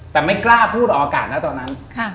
แต่ไม่กล้าพูดออกอากาศนะตอนนั้น